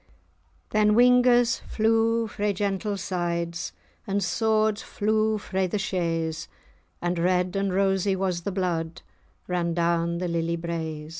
Then whingers flew frae gentles' sides, And swords flew frae the shea's,[#] And red and rosy was the blood Ran down the lily braes.